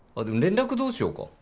でも連絡どうしようか？